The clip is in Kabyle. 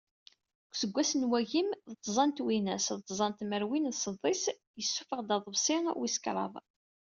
Deg useggas n wagim d tẓa n twinas d tẓa n tmerwin d sḍis yessuffeɣ-d aḍbsi wis kraḍ.